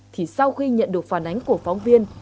thì sau khi nhận được phản ánh của phóng viên